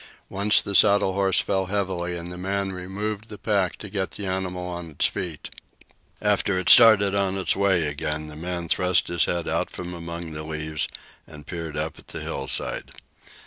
Once the saddle horse fell heavily and the man removed the pack to get the animal on its feet. After it started on its way again the man thrust his head out from among the leaves and peered up at the hillside.